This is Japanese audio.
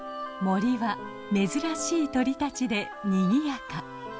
森は珍しい鳥たちでにぎやか。